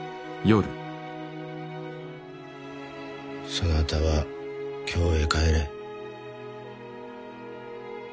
そなたは京へ帰れ。